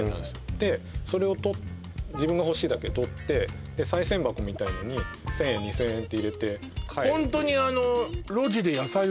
でそれを自分が欲しいだけ取ってでさい銭箱みたいなのに１０００円２０００円って入れて帰るっていうホントにあのそうです